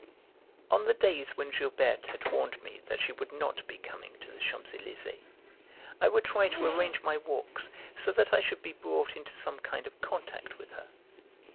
On the days when Gilberte had warned me that she would not be coming to the Champs Elysées, I would try to arrange my walks so that I should be brought into some kind of contact with her.